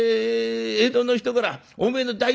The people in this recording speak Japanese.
江戸の人からおめえの大好物だ。